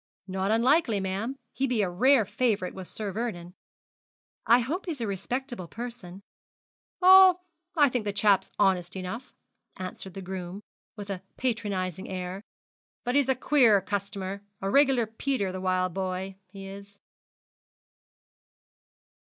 'Not unlikely, ma'am he be a rare favourite with Sir Vernon.' 'I hope he's a respectable person.' 'Oh, I think the chap's honest enough,' answered the groom, with a patronising air; 'but he's a queer customer a reg'lar Peter the wild boy, he is.'